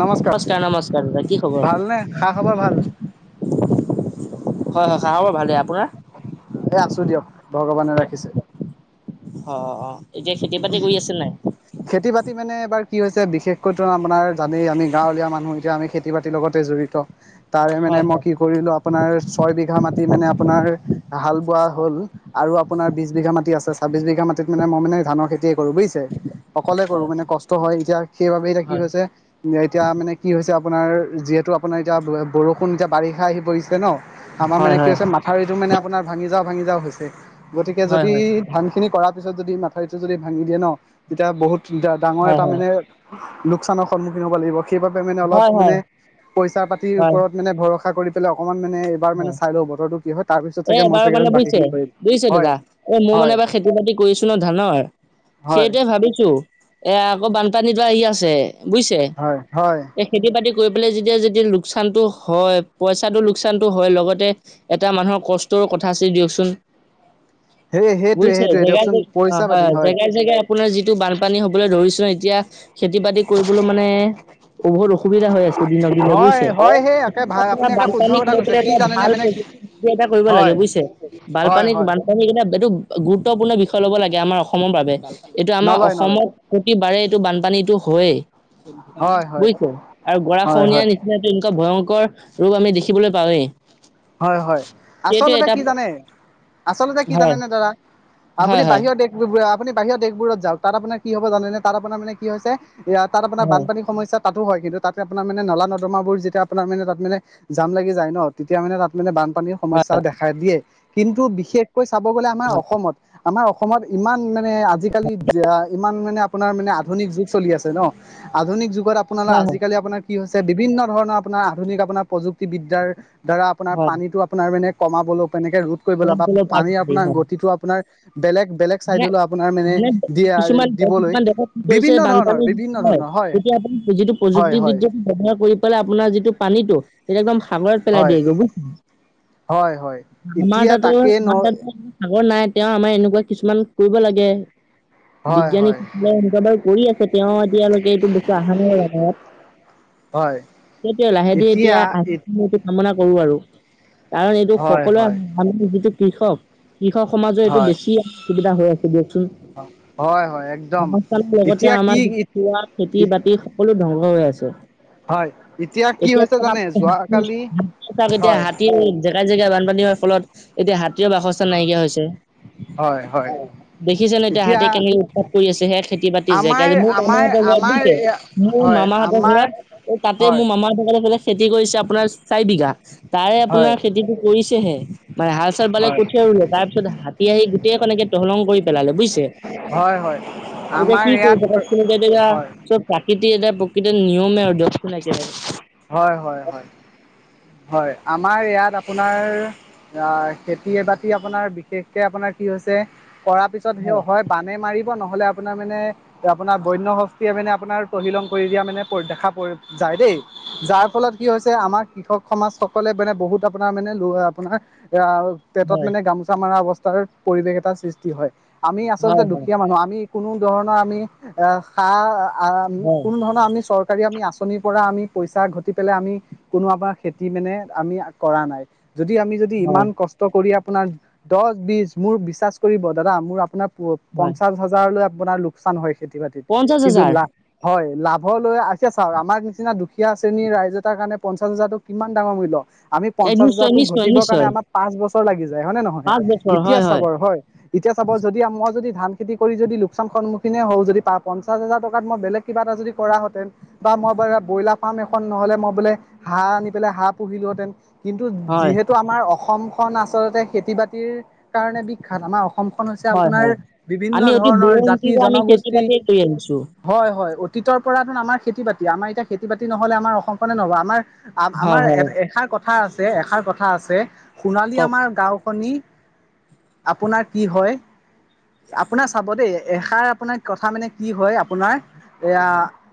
নমস্কাৰ নমস্কাৰ দাদা কি খবৰ? ভালনে খা-খবৰ ভাল। হয় হয় খা-খবৰ ভালে। এ আছোঁ দিয়ক ভগৱানে ৰাখিছে। অ অ এতিয়া খেতি-বাতি কৰি আছে নে খেতি নাই। বাতি মানে এবাৰ কি হৈছে বিশেষকৈ ধৰা আপোনাৰ জানেই আমি গাঁৱলীয়া মানুহ এতিয়া আমি খেতি-বাতিৰ লগতে জড়িত। তাৰে মানে হয় মই হয় কি কৰিলোঁ আপোনাৰ ছয় বিঘা মাটি মানে আপোনাৰ হাল বোৱা হ'ল। আৰু আপোনাৰ বিছ বিঘা মাটি আছে ছাব্বিছ বিঘা মাটিত মানে মই মানে। ধানৰ খেতিয়ে কৰোঁ বুজিছে অকলে কৰোঁ মানে কষ্ট হয় এতিয়া সেইবাবে এতিয়া কি হৈছে। এতিয়া মানে কি হৈছে আপোনাৰ যিহেতু আপোনাৰ এতিয়া বৰষুণ এতিয়া বাৰিষা আহি পৰিছে নহ। আমাৰ হয় মানে কি হয় হৈছে মাথাউৰিটো মানে আপোনাৰ ভাঙি যাওঁ ভাঙি যাওঁ হৈছে। গতিকে হয় যদি হয় ধানখিনি কৰাৰ পিছত যদি মাথাউৰিটো যদি ভাঙি দিয়ে নহ তেতিয়া বহুত। ডাঙৰ হয় হয় এটা হয় মানে লোকচানৰ সন্মুখীন হ'ব লাগিব। সেইবাবে মানে অলপ হয় মানে হয় পইচা-পাতিৰ হয় ওপৰত মানে ভৰসা কৰি পেলে অকমান। মানে এইবাৰ মানে হয় চাই লওঁ বতৰটো কি হয় তাৰ পিছত এ চাগে মই এবাৰ চাগে মানে বাকী বুজিছে খিনি কৰিম হয় হয়। পতি কৰিছোঁ নহ ধানৰ হয় সেইটোৱে ভাবিছোঁ এ আকৌ বানপানীটো আহি আছে। বুজিছে হয় হয় এই খেতি-বাতি কৰি পেলাই যেতিয়া যেতিয়া লোকচানটো হয় পইচাটো লোকচান। ছানটো হয় লগতে এটা মানুহৰ কষ্টৰো কথা আছিল দিয়কচোন। সেই সেইটোৱে বুজিছে সেইটোৱে জেগাই দিয়কচোন অ পইচা পাতি হয় জেগাই জেগাই আপোনাৰ যিটো বানপানী হ'বলৈ ধৰিছে। এতিয়া খেতি-বাতি কৰিবলৈ মানে বহুত অসু। সুবিধা হৈ আছিলে দিনক দিনে বুজিছে হয় অ হয় সেই একে ভাল আপোনাৰ আপুনি একে শুদ্ধ বানপানী। কথা কৈছে কি [unintelligible] জানেনে ভাল মানে কি প্ৰযুক্তি কৰিব লাগে হয় বুজিছে হয় বানপানী হয় বানপানী এটা এইটো গুৰুত্বপূৰ্ণ বিষয়। ল'ব লাগে আমাৰ অসমৰ বাবে এইটো আমাৰ নলয় নলয় অসমত প্ৰতিবাৰে এইটো বানপানীটো হয়েই। হয় হয় বুজিছে আৰু হয় গৰাখহনীয়াৰ হয় নিচিনাটো এনেকুৱা ভয়ংকৰ ৰূপ আমি দেখি। কিবলৈ পাওঁৱেই। হয় হয় সেইটো আচলতে এটা কি জানে আচলতে কি জানে হয় নে দাদা হয় আপুনি হয় বাহিৰত দেশবোৰত আপুনি বাহিৰ দেশবোৰত যাও তাত আপুনি বাহিৰৰ দেশবোৰত যাওক, আপোনাৰ কি হ'ব জানেনে তাত আপোনাৰ মানে কি হৈছে এ তাত আপোনাৰ হয় বানীৰ সমস্যাত তাতো হয়। কিন্তু তাতে আপোনাৰ মানে নলা নদমা বোৰ যেতিয়া আপোনাৰ মানে তাত মানে জাম লাগি যায় ন তেতিয়া মানে তাত মানে বানপানীৰ হয় সমস্যা দেখা দিয়ে, কিন্তু বিশেষকৈ চাব গ'লে আমাৰ হয় হয় অসমত আমাৰ অসমত ইমান মানে আজিকালি ইমান মানে আপোনাৰ মানে আধুনিক যুগ চলি আছে নহ। আধুনিক যুগত আপোনাৰ হয় আজিকালি আপোনাৰ কি হৈছে বিভিন্ন ধৰণৰ আপোনাৰ আধুনিক আপোনাৰ প্ৰযুক্তিবিদ্যাৰ। দ্বাৰা আপোনাৰ হয়। পানীটো আপোনাৰ মানে কমাবলৈ এনেকৈ ৰোধ কৰিব গৰম লাগে বা তেলৰ পানীৰ পাৰি আপোনাৰ হয়। গতিটো আপোনাৰ। বেলেগ বেলেগ চাইডলৈ আপোনাৰ মানে দিয়া কিছুমান দিবলৈ কিছুমান দেশত কি কৰিছে বিভিন্ন ধৰণৰ বানপানীৰ। বিভিন্ন [unintelligible] ধৰণৰ হয় তেতিয়া আপোন যিটো হয় হয় প্ৰযুক্তিবিদ্যাত ব্যৱহাৰ কৰি পেলাই আপোনাৰ যিটো পানীটো সেইটো একদম। সাগৰত পেলাই হয় দিয়ে গৈ। হয় হয় আমাৰ এতিয়া তাতো তাকে ন বান পানী হয়, আাগৰ নাই। তিয়াও আমাৰ এনেকুৱা কিছুমান কৰিব লাগে। হয় হয় বিজ্ঞানীসকলে এইবোৰ কৰি আছে, তেওঁ এতিয়ালৈকে এইটো বস্তু অহা নাই। হয় তেতিয়া লাহে ধিৰে এতিয়া কামনা কৰো আৰু কাৰণ এইটো হয় সকলোৱে হয় আমাৰ যিটো কৃষক কৃষক সমাজৰ এইটো হয় বেছি অসুবিধা হৈ আছে দিয়কচোন। হয় হয় একদম সমসাবোৰ লগতে এতিয়া কি আমাৰ খেতি বাতি সকলো ধ্বংস হৈ আছে। হয়। কি এতিয়া চ হৈছে জানে যোৱাকালি এতিয়া হয় হাতীয়ে জেগাই জেগাই বানপানী হোৱাৰ ফলত [unintelligible] এতিয়া হাতীৰ বাসস্থান নাইকিয়া হৈছে। হয় হয় অ' দেখিছে নে এতিয়া হাতী কেনেকে উৎপাত কৰি আছে। সেয়া খেতি বাতিৰ যেগা। আমাৰ মোৰ আমাৰ মামাহঁতৰ ঘৰত আমাৰ বুইছে মোৰ হয় মামাহতৰ আমাৰ ঘৰত তাতে হয় মোৰ মামাহঁতৰ ফালে খেতি কৰিছে আপোনাৰ চাৰি বিঘা তাৰে হয় আপোনাৰ খেতিটো কৰিছেহে মানে হাল চাল বালে হয় কঠিয়াও ৰুলে তাৰ পিছত হাতী আহি গ'ল। হাতীয়ে একদম তহিলং কৰি পেলালে বুজিছে। হয় হয় এতিয়া আমাৰ কি কৰিব ইয়াত কওকচোন এতিয়া এতিয়া হয় চব প্ৰাকৃতি এতিয়া সেটো নিয়মে আৰু দিয়কছোন একেবাৰে। হয় হয় হয় হয়। আমাৰ ইয়াত আপোনাৰ আহ খেতিয়ে বাতি আপোনাৰ বিশেষকে আপোনাৰ কি হৈছে কৰাৰ পিছত সেই হয় বানে মাৰিব নহলে আপোনাৰ মানে আপোনাৰ বন্য হস্তীয়ে মানে আপোনাৰ তহিলং কৰি দিয়া মানে দেখা যায় দেই যাৰ ফলত কি হৈছে আমাৰ কৃষক সমাজ সকলে মানে বহুত আপোনাৰ মানে ল আপোনাৰ এ পেটত হয় মানে গামোচা মৰা অৱস্থা পৰিৱেশ এটাৰ সৃষ্টি হয়। আমি আচলতে হয় হয় দুখীয়া মানুহ। আমি কোনো ধৰণৰ আমি আহ সা হয় কোনো ধৰণৰ আমি চৰকাৰ কাৰি আমি আঁচনিৰ পৰা আমি পইচা ঘটি পেলাই আমি কোনো আপোনাল খে তি মানে আমি কৰা নাই। যদি আমি যদি হয় ইমান কষ্ট কৰি দহ বিশ মোৰ বিশ্বাস কৰিব দাদা মোৰ আপোনাৰ হয় পঞ্চাশ হাজাৰলৈ পোনাৰ লোকচান হয় খেতি বাতিত, পঞ্চাশ কিন্তু হাজাৰ লাভ? হয় লাভ হয় লৈ আছে। চাওঁক আমাৰ নিচিনা দুখীয়া শ্ৰেণীৰ ৰাইজ এটাৰ কাৰণে পঞ্চাশ হাজাৰতটো কিমান ডাঙৰ মূল্য। আমি এ পঞ্চাশ নিশ্চয় হাজাৰো নিশ্চয় ঘটিব কাৰণে নিশ্চয় আমাৰ পাঁচ বছৰ লাগি য য় হয় নে নহয় পাঁচ বছৰ ইতিয়া হয় চাবৰ হয় ইতিয়া চাব যদি মই যদি ধান খেতি কৰি যদি লোকচান সন্মুখীনে হওঁ, যদি পঞ্চাশ হাজাৰ টকাত মই বেলেগ কিবা এটা যদি কৰা হতেন, বা মই বাৰু ব্ৰইলাৰ ফ্ৰাম এখন নহ'লে মই বোলে হাঁহ আনি পেলাই হাঁহ পুহিলোহেঁতেন কিন্তু হয় যিহেতু আমাৰ অসম খ ন আচলতে খেতি বাতিৰ কাৰণে বিখ্যাত। আমাৰ অসম অসমখন হৈছে হয় আপোনাৰ হয় বিভিন্ন আমি অতি ধৰণৰ জাতি বুৰঞ্জীৰ আমি খেতি জনগোষ্ঠী বাতিয়ে কৰি আনিছো হয় হয় অতীতৰ পৰা আমাৰ খেতি বাতি আমাৰ এতিয়া খেতি বাতি নহলে আমাৰ অসমখনে নহব। আমাৰ হয় আমাৰ হয় এষাৰ কথা কথা আছে এষাৰ কথা আছে সোণালী কওক আমাৰ গাওঁখনি আপোনাৰ কি হয় আপোনাৰ চাব দে এষাৰ আপোনাৰ কথা মানে কি হয়, আপোনাৰ এয়া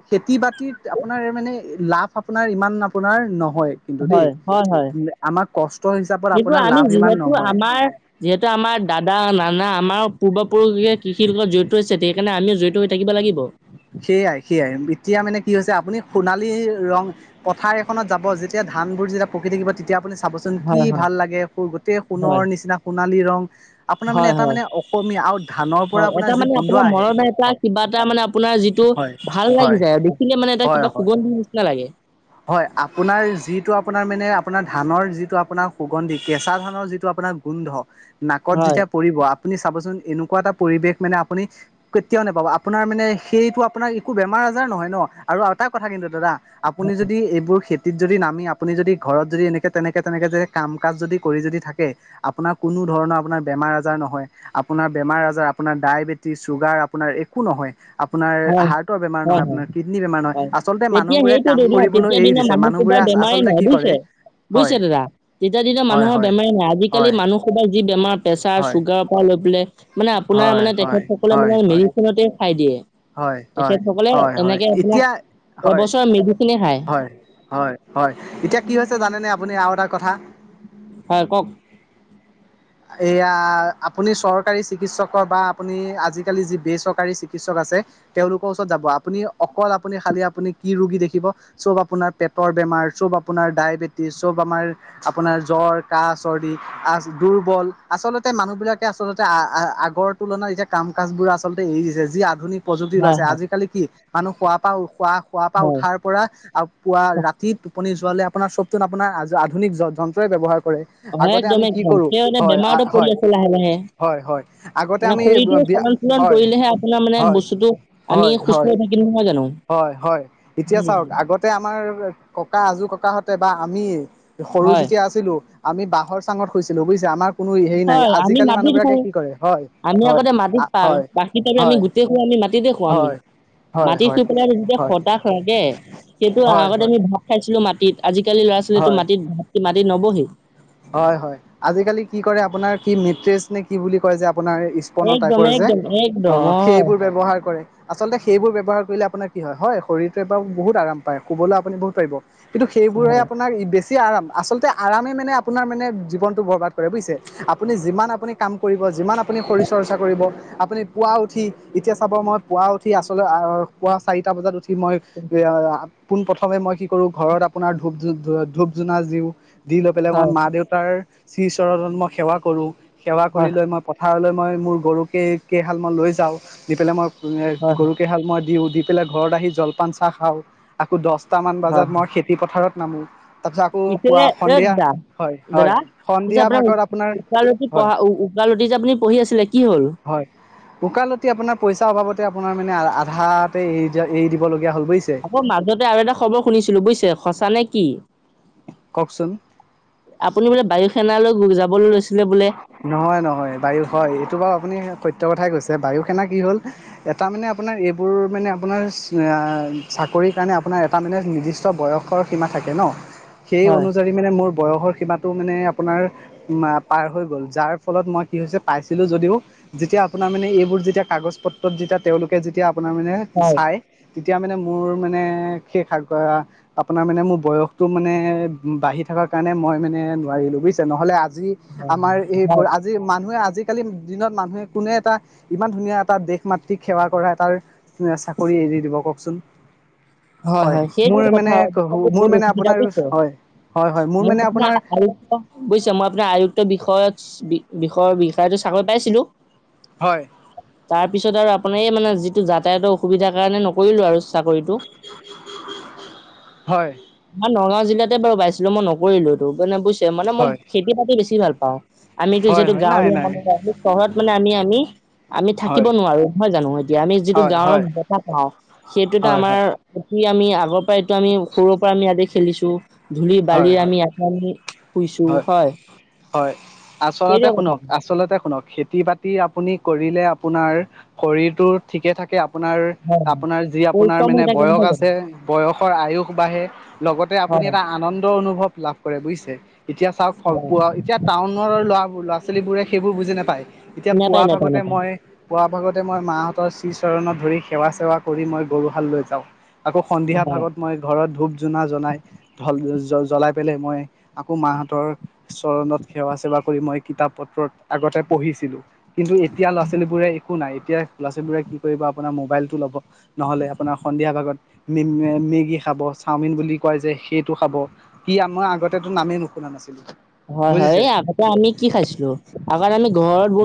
খেতি বাতিত, আপোনাৰ মানে লাভ আপোনাৰ, ইমান আপোনাৰ, ন হয় কিন্তু দে, হয় হয় হয় আমাৰ কষ্ট হিচাপত কিন্তু আপোনাৰ আমি লাভ ইমান যিহেতু নহয়। আমাৰ যিহেতু আমাৰ দাদা, নানা, আমাৰ পূৰ্বপুৰুষে কৃষিৰ লগত জড়িত হৈছে, সেইকাৰণে আমিও জড়িত হৈ থাকিব লাগিব। সেইয়াই সেয়াই এতিয়া মানে, কি হৈছে আপুনি সোণালী ৰং পথাৰ এখনত যাব যেতিয়া ধা ধানবোৰ যেতিয়া পকি থাকিব তেতিয়া আপুনি চাবচোন কি হয় হয় ভাল লাগে। সো গোটেই সোণৰ হয় নিচিনা সোণালী ৰং আপোনাৰ মানে হয় হয় এটা মানে অসমীয়া আৰু ধানৰ পৰা হয়, এটা আপোনাৰ যি মানে গোন্ধ আহে, মনত এটা হয়। কিবা এটা [unintelligible] যিটো, হয় ভাল লাগি হয় যায় আৰু দেখিলে মানে এটা হয় কিবা হয় সুগন্ধি নিচিনা লাগে। হয়, আপোনাৰ যিটো আপোনাৰ মানে আপোনাৰ ধানৰ যিটো আপোনাৰ সুগন্ধি, কেঁচা ধানৰ যিটো আপোনাৰ গোন্ধ। নাকত হয়, যেতিয়া পৰিব আপুনি চাবচোন এনেকুৱা এটা পৰিৱেশ মানে আপুনি, কেতিয়াও নোপাব আপোনাৰ মানে সেইটো আপোনাৰ একো বেমাৰ আজাৰ নহয় ন'। আৰু এটা কথা কিন্তু দাদা, আপুনি যদি এইবোৰ খেত তিত যদি নামি আপুনি যদি ঘৰত যদি এনেকে তেনেকে তেনেকে যে কাম কাজ যদি কৰি যদি থাকে, আপোনাৰ কোনো কোনো ধৰণৰ আপোনাৰ বেমাৰ আজাৰ নহয়, আপোনাৰ বেমাৰ আজাৰ আপোনাৰ ডায়েবেটিছ, চুগাৰ আপোনাৰ একো নহয়। আপোনাৰ হয়, হাৰ্টৰ বেমাৰ হয়, নহয়, হয়, আপোনাৰ কিডনী বেমাৰ নহয়, হয়। আচলতে মানুহবোৰে [unintelligible] কাম কৰিবলৈ তেতিয়া এৰি দিনৰ দিছে মানুহ মানুহবোৰে কেইটাৰ বেমাৰেই আচলতে নহয় কি বুজিছে। কৰে হয় বুজিছে দাদা, তেতিয়া দিনাত হয় মানুহৰ হয় বেমাৰ নাই আজিকালি হয় মানুহ খোপাৰ যি বেমাৰ প্ৰেছাৰ, হয় চুগাৰৰ পৰা লৈ মানে, মানে আপোনাৰ হয় মানে তেখেত হয় সকলে হয় মানে হয় মেডিচিনতে খাই দিয়ে। হয় তেখেত হয় সকলে হয় হয় এনেকে আপোনাৰ, এতিয়া হয় এবছৰ মেডিচিন হয়, হয়, হয়, এতিয়া কি হৈছে জানেনে আপুনি আৰু এটা কথা? হয়, কওঁক। এয়া, আপুনি চৰকাৰী চিকিৎসকৰ বা আপুনি আজিকালি যি বেচৰকাৰী চিকিৎসক আছে। তেওঁলোকৰ ওচৰত যাব আপুনি অকল আপুনি খালি আপুনি কি ৰোগী দেখিব, চব আপোনাৰ পেটৰ বেমাৰ চব আপোনাৰ ডায়েবেটিছ, চব আমাৰ আপোনাৰ জ্বৰ, কাঁহ, চৰ্দি [unintelligible] দুৰ্বল। আচলতে মানুহ বিলাকে আচলতে আ আগৰ তুলনাত এতিয়া কাম কাজ বোৰ আচলতে এৰি দিছে। যি আধুনিক, প্ৰযুক্তি হয়, ওলাইছে, হয়, আজিকালি কি মানুহ খোৱা পৰা, খোৱা খোৱা পৰা হয়। উঠাৰ পৰা পুৱা ৰাতি, আপুনি যোৱালৈ আপোনাৰ চবটো আপোনাৰ আধুনিক যন্ত্ৰৰেই ব্যৱহাৰ কৰিব। হয় আগতে একদম আমি কি একদম কৰো সেইকাৰণে হয়, বেমাৰতো পৰি আছে লাহে লাহে। আগতে মানে আমি, শৰীৰটো বিয়া চলন চলন হয় কৰিলেহে আপোনাৰ মানে হয় বস্তুতটো, আমি হয় সুস্থ হয় হৈ থাকম নহয় জানো? হয় হয়, এতিয়া চাওক আগতে আমাৰ ককা আজোৰ ককাহঁতে বা আমি, সৰু হয় যেতিয়া আছিলো, আমি বাঁহৰ চাঙত শুইছিলো বুজিছে আমাৰ, কোনো হেৰি নাই হয় আমি আজিকালি মানুহ মাটিত বিলাকে শুং, কি কৰে হয় আমি হয় আগতে মাটিত প হয় পাৰি ত আমি হয় গোটেই খিনি আমি, মাটিতে হোৱাং। হয় হয় হয়, যেতিয়া হয় হতাশ লাগে, কিন্তু হয় আগতে হয় আমি ভাত খাইছিলো মাটি আজিকালি ল'ৰা ছোৱালীটো হয় মাটিত মাটি নবসেই। হয় হয়, আজিকালি কি কৰে আপোনাৰ কি মেট্ৰজ নে কি বুলি কয় যে। আপোনাৰ স্পনৰ একদম টাইপৰ যে, একদম অ একদম হয় সেইবোৰ ব্যৱহাৰ কৰে। আচলতে সেইবোৰ ব্যৱহাৰ কৰিলে আপোনাৰ কি হয়, শৰীৰটোৱে বু বহুত আৰাম পায় শুবলৈও আপুনি বহুত পাৰিব। কিন্তু সেইবোৰে হয় আপোনাৰ বেছি আৰাম, আচলতে আৰামে মানে, আপোনাৰ মানে জীৱনটো বৰবাদ কৰে বুজিছে। আপুনি যিমান আপুনি কাম কৰিব যিমান আপুনি শৰীৰ চৰ্চা কৰিব। আপুনি পুৱা উঠি, এতিয়া চাব মই পুৱা উঠি আচলতে আহ পুৱা চাৰিটা বজাত উঠি। কি মই এ [unintelligible] পোন প্ৰথমে মই কি কৰোঁ, ঘৰত আপোনাৰ ধূপ ধূনা দিও, দি লৈ পেলাই মই হয় মা দেউতাৰ শ্ৰী চৰণত মই সেৱা কৰো, সেৱা কৰি হয় লৈ মই পথাৰলৈ, হয় মোৰ গৰুকে কেইশালমান লৈ যাওঁ। নি পেলাই মই এ হয় গৰু কেইশাল ম‌ই দিওঁ। দি পেলাই ঘৰত আহি জলপান চাহ খাওঁ, আকৌ দহটামান বজাত হয় মই খেতি পথাৰত নামো। তাৰপিছত আকৌ পিছে পুৱা এ দাদা সন্ধিয়া-হয় দাদা হয়। পিছে সন্ধিয়া আপোনাৰ ভাগত ওকালতি পঢ়া, হয় উ-উকালতি যে আপুনি পঢ়ি আছিলে, কি হ'ল? উকালতি আপোনাৰ পইচাৰ অভাৱতে আপোনাৰ মানে আধাতে এৰি দিয়া এৰি দিবলগীয়া হ'ল বুজিছে আকৌ মাজতে আৰু এটা খবৰ শুনিছিলো। বুজিছে সঁচা নে কি? কওকচোন আপুনি বোলে বায়ু সেনালৈ যাবলৈ লৈছে নহয় নহয় বায়ু হয় এইটো বাৰু আপুনি সত্য কথাই কৈছে বায়ু সেনা কি হ'ল এটা মানে আপোনাৰ এইবোৰ মান আপোনাৰ চাক চাকৰি কাৰণে আপোনাৰ এটা মানে নিৰ্দিষ্ট বয়সৰ সীমা থাকে ন সেই হয়। অনুযায়ী মানে মোৰ বয়সৰ সীমাটো মানে আপোনাৰ পাৰ হৈ গ'ল যাৰ ফলত মই কি হৈছে পাইছিলো যদিও যেতিয়া আপোনাৰ মানে এইবোৰ যেতিয়া কাগজ পত্ৰত যে তেতিয়া তেওঁলোকে যেতিয়া আপোনাৰ মানে হয় চাই তেতিয়া মানে মোৰ মানে শেষ আপোনাৰ মানে মোৰ বয়সটো মানে বাঢ়ি থা কাৰ কাৰণে মই মানে নোৱাৰিলো বুজিছে, নহলে আজিও আমাৰ এই হয় আজি মানুহে আজি আজিকালি দিনত মানুহে কোনে এটা ইমান ধুনীয়া এটা দেশ মাতৃক সেৱা কৰা তাৰ [unintelligible] চাকৰি এৰি দিব কওকচোন। হয় হয়, সেইটো মোৰ কথা মানে মোৰ [unintelligible] মানে অসুবিধা আপোনাৰ পাইছে। হয় হয় হয় মোৰ মই মানে আপোনাৰ আয়ুক্ত বুইছা, মই আপোনাৰ আয়ুক্ত বিষয়ত বি-বিষয়ৰ বিষয়তো চাকৰি পাইছিলোঁ। হয়। তাৰপিছত আৰু আপোনাৰ এই মানে যিটো যাতায়তৰ অসুবিধাৰ কাৰণে নকৰিলো আৰু চাকৰিটো। হয়। মই নগাঁও জিলাতে বাৰু পাইছিলো, মই নকৰিলোতো মানে বুজিছে। মানে মই হয় খেতি-বাতি বেছি ভাল পাওঁ। আমিতো হয় যিহেতু হয় নাই গাঁৱলীয়া নাই মানুহ, চহৰত গ'লে আমি আমি আমি থাকিব হয় নোৱাৰো, নহয় জানো? এতিয়া আমি যিটো হয় গাঁৱৰ হয় বতাহ পাওঁ সেইটোতো হয় আমাৰ হয় আমি আগৰ পৰা এইটো আমি সৰুৰ পৰা আমি ইয়াতে খেলিছো, ধূলি-বালি হয় হয় আমি ইয়াতে আমি হয় হয়! আচলতে সেইটোৱে কথা শুনক, আচলতে শুনক। খেতি-বাতি আপুনি কৰিলে আপোনাৰ শৰীৰটো ঠিকে থাকে। আ আপোনাৰ হয় হয়। আপোনাৰ যি আপোনাৰ পৰিশ্ৰম হৈ মানে থাকে বয়স নহয় জানো আছে বয়সৰ আয়ুস বাঢ়ে, লগতে আপুনি হয় এটা আনন্দ অনুভৱ লাভ কৰে বুজিছে এতিয়া চাওক হয় পোৱা এতিয়া টাউনৰ ল'ৰাবোৰ ল পাচালী বোৰে সেইবোৰ বুজি নাপায় এতিয়া পুৱা নাপায় নাপায় ভাগতে নাপায় মই পুৱা ভাগত তে মই মাহঁতৰ শ্ৰীচৰণত ধৰি সেৱা সেৱা কৰি মই গৰুহাললৈ যাওঁ। আকৌ সন্ধিয়া হয়। ভাগত মই ঘৰত ধূপ জোনা জনাই ঢল জ - জ্বলাই পেলাই মই আকৌ মাহঁতৰ চৰণত সেৱা-চেৱা কৰি মই কিতাপ প আগতে পঢ়িছিলো কিন্তু এতিয়া ল'ৰা - ছোৱালীবোৰে একো নাই। এতিয়া ল'ৰা ছালীবোৰে কি কৰিব আপোনাৰ মোবাইলতটো ল'ব নহ'লে আপোনাৰ সন্ধিয়া ভাগত ম মেগী খাব চাওমিন বুলি কয় যে সেইটো খাব সী আগতে নামেই নুশুনা নাছিলো। হয় - হয় এই আগতে আমি কি খাইছিলো আগত আমি ঘৰত ব